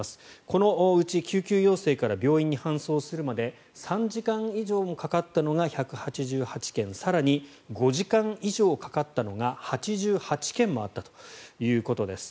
このうち救急要請から病院に搬送するまで３時間以上もかかったのが１８８件更に、５時間以上かかったのが８８件もあったということです。